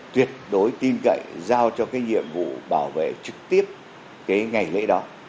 tuyệt đối tin cậy giao cho cái nhiệm vụ bảo vệ trực tiếp cái ngày lễ đó